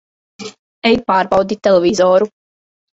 Ej pārbaudi televizoru!